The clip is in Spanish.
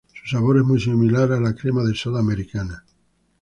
Su sabor es muy similar a la crema de soda americana.